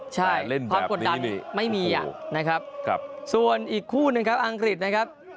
ใช่ความกดดันไม่มีนะครับส่วนอีกคู่หนึ่งครับอังกฤษนะครับ